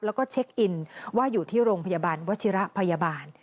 แล้วก็เช็คอินว่าอยู่ที่โรงพยาบาลวัชิระพยาบาล